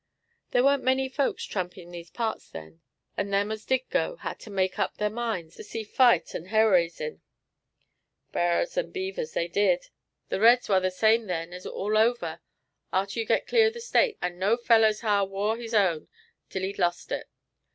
"There weren't many folks trampin' these parts then, and them as did go, had to make up thar minds to see fight and ha'r raisin'. B'ars and beavers, they did! The reds war the same then all over, arter you get clear of the States, and no feller's ha'r war his own till he'd lost it.